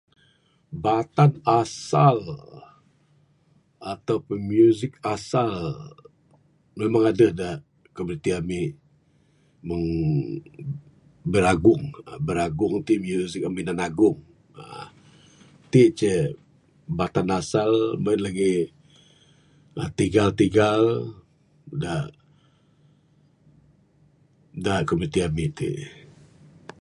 Batan asal ataupun music asal memang adeh da komuniti ami meng biragung aaa biragung ti music ami da nagung uhh. Ti ceh batan asal mung en lagi uhh tigal tigal da da komuniti ami ti.